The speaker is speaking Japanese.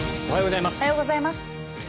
おはようございます。